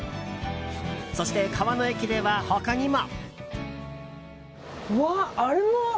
そして、川の駅では他にも。